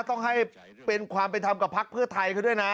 ต้องให้เป็นความเป็นธรรมกับพักเพื่อไทยเขาด้วยนะ